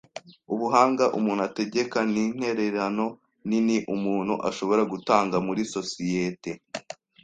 Ubuhanga umuntu ategeka, nintererano nini umuntu ashobora gutanga muri societe.